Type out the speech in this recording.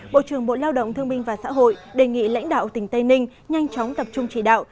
bộ trưởng bộ lao động thương minh và xã hội đề nghị lãnh đạo tỉnh tây ninh nhanh chóng tập trung chỉ đạo